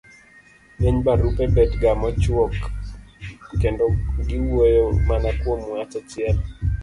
ng'eny barupe bet ga machuok kendo giwuoyo mana kuom wach achiel.